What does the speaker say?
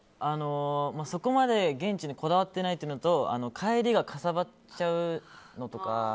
そこまで現地にこだわっていないというのと帰りがかさばっちゃうのとか。